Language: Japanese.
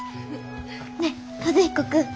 ねっ和彦君。